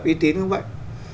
uy tín cũng vậy